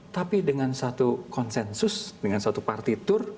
tapi dengan satu konsensus dengan suatu partitur